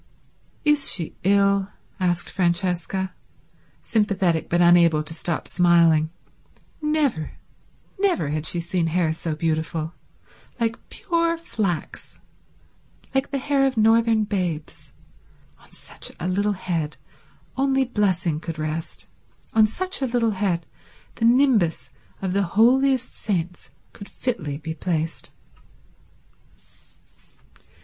"Is she ill?" asked Francesca, sympathetic but unable to stop smiling. Never, never had she seen hair so beautiful. Like pure flax; like the hair of northern babes. On such a little head only blessing could rest, on such a little head the nimbus of the holiest saints could fitly be placed.